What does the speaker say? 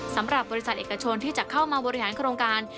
สำหรับบริษัทเอกชนที่จะเข้ามาบริหารโครงการ